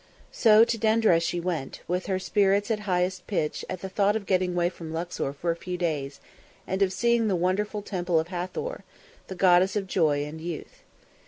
So to Denderah she went, with her spirits at highest pitch at the thought of getting away from Luxor for a few days and of seeing the wonderful Temple of Hathor, the goddess of Joy and Youth.